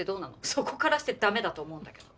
そこからして駄目だと思うんだけど。